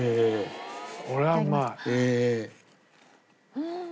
うん！